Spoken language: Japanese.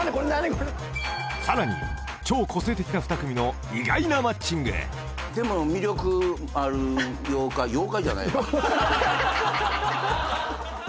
［さらに超個性的な２組の意外なマッチング］でも魅力ある妖怪妖怪じゃないわ。